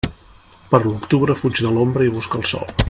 Per l'octubre, fuig de l'ombra i busca el sol.